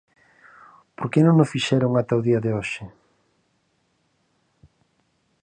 ¿Por que non o fixeron ata o día de hoxe?